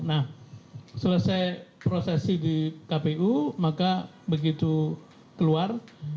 nah selesai prosesi di kpu maka begitu keluar